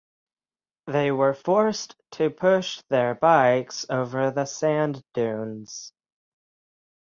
They were forced to push their bikes over the sand dunes.